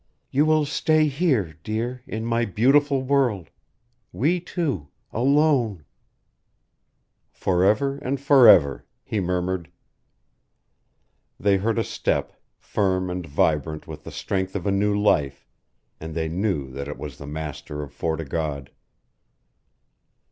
You will stay here dear in my beautiful world we two alone " "For ever and for ever," he murmured. They heard a step, firm and vibrant with the strength of a new life, and they knew that it was the master of Fort o' God.